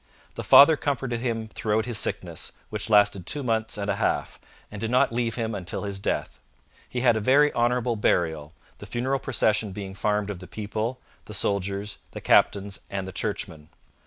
The Father comforted him throughout his sickness, which lasted two months and a half, and did not leave him until his death. He had a very honourable burial, the funeral procession being farmed of the people, the soldiers, the captains, and the churchmen.